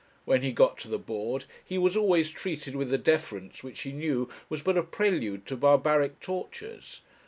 When he got to the board, he was always treated with a deference which he knew was but a prelude to barbaric tortures.